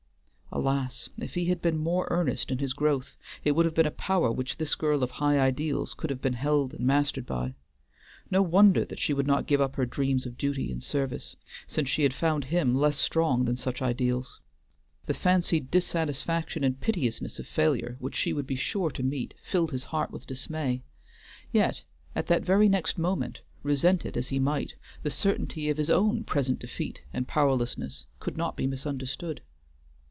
Alas! if he had been more earnest in his growth, it would have been a power which this girl of high ideals could have been held and mastered by. No wonder that she would not give up her dreams of duty and service, since she had found him less strong than such ideals. The fancied dissatisfaction and piteousness of failure which she would be sure to meet filled his heart with dismay; yet, at that very next moment, resent it as he might, the certainty of his own present defeat and powerlessness could not be misunderstood.